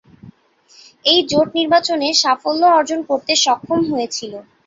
এই জোট নির্বাচনে সাফল্য অর্জন করতে সক্ষম হয়েছিল।